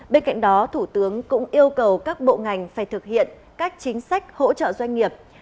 bên cạnh đó thủ tướng cũng yêu cầu các bộ ngành phải thực hiện các chính sách hỗ trợ doanh nghiệp